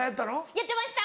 やってました。